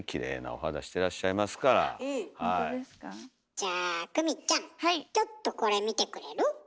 じゃあ久美ちゃんちょっとこれ見てくれる？